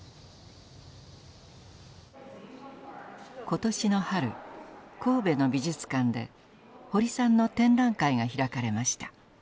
今年の春神戸の美術館で堀さんの展覧会が開かれました。